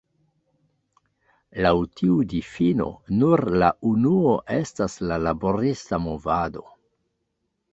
Laŭ tiu difino, nur la unuo estas la "laborista movado".